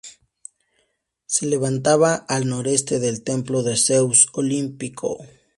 Se levantaba al noroeste del Templo de Zeus Olímpico.